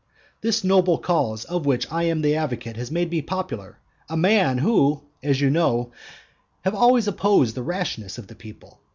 This noble cause of which I am the advocate has made me popular, a man who (as you know) have always opposed the rashness of the people.